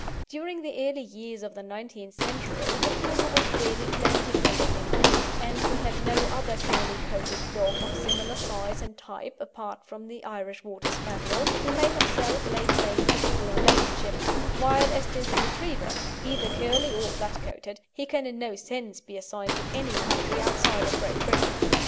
During the early years of the nineteenth century the Poodle was fairly plentiful in England, and we had no other curly coated dog of similar size and type apart from the Irish Water Spaniel, who may himself lay claim to Poodle relationship; while as to the Retriever, either curly or flat coated, he can in no sense be assigned to any country outside of Great Britain.